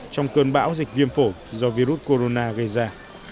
trong cơn bão dịch viêm phổi do virus corona gây ra